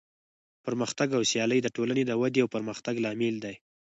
پرمختګ او سیالي د ټولنې د ودې او پرمختیا لامل دی.